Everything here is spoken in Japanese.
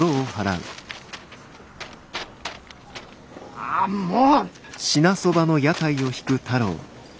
ああもう！